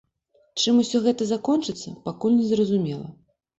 Чым усё гэта закончыцца, пакуль не зразумела.